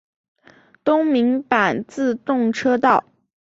东名阪自动车道。